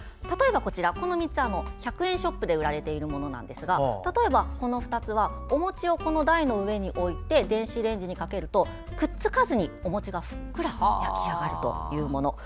例えば、こちらの３つは１００円ショップで売られているものなんですが例えば、この２つはお餅を台の上に置いて電子レンジにかけるとくっつかずにお餅がふっくら焼き上がるというもの。